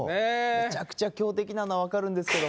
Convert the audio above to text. めちゃくちゃ強敵なのは分かるんですけど。